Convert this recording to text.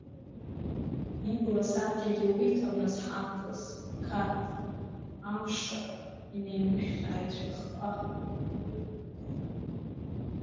Ибласаркьагьы уиҭап, нас, ҳамҭас, Қарҭ амшақә инеинышәҟьааит шәыхқәа.